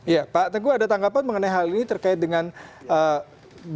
ya pak tengku ada tanggapan mengenai hal ini terkait dengan bagasi yang bertahan